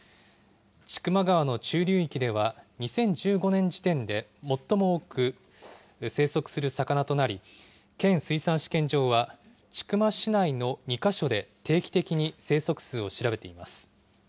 千曲川の中流域では、２０１５年時点で最も多く生息する魚となり、県水産試験場は千曲市内の２か所で、定期的に生息数を調べています。